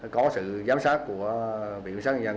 có sự giám sát của vị sát nhân dân